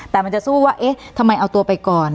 แต่มันจะสู้ว่าเอ๊ะทำไมเอาตัวไปก่อน